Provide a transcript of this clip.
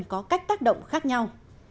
có cách tác động khác nhau